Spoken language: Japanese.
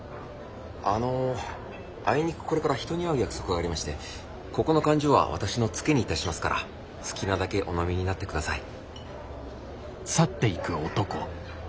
あのあいにくこれから人に会う約束がありましてここの勘定は私のツケにいたしますから好きなだけお飲みになってください。